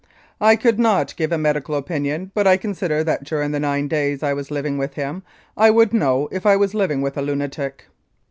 I could not give a medical opinion, but I consider that during the nine days I was living with him I would know if I was living with a lunatic.